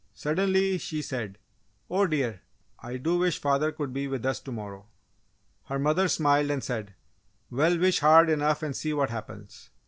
Suddenly, she said, "Oh, dear! I do wish father could be with us to morrow!" Her mother smiled and said, "Well, wish hard enough and see what happens!